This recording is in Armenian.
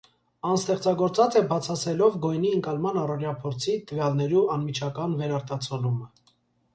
Ան ստեղծագործած է բացասելով գոյնի ընկալման առօրեայ փորձի տուեալներու անմիջական վերարտացոլումը։